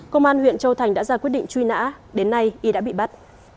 công an huyện châu thành đã ra quyết định truy nã đến nay y đã bị bắt